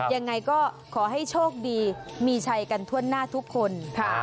ยังไงก็ขอให้โชคดีมีชัยกันทั่วหน้าทุกคน